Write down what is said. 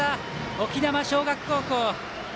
沖縄尚学高校。